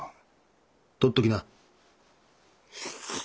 取っときな。